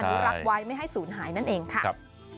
อนุรักษ์ไว้ไม่ให้สูญหายนั่นเองค่ะ